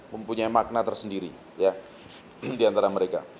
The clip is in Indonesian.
mempunyai makna tersendiri di antara mereka